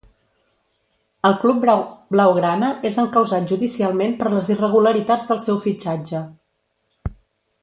El club blaugrana és encausat judicialment per les irregularitats del seu fitxatge.